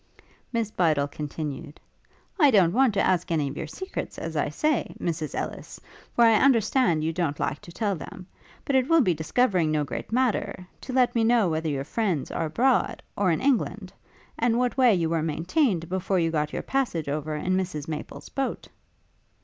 Miss Bydel continued: 'I don't want to ask any of your secrets, as I say, Mrs Elless, for I understand you don't like to tell them; but it will be discovering no great matter, to let me know whether your friends are abroad, or in England? and what way you were maintained before you got your passage over in Mrs Maple's boat.'